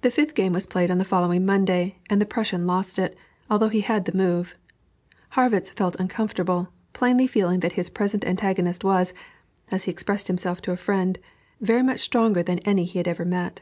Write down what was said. The fifth game was played on the following Monday, and the Prussian lost it, although he had the move. Harrwitz felt uncomfortable, plainly feeling that his present antagonist was, as he expressed himself to a friend, "very much stronger than any he had ever met."